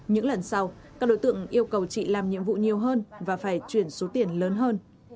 những lần sau các đối tượng yêu cầu chị làm nhiệm vụ nhiều hơn và phải chuyển số tiền lớn hơn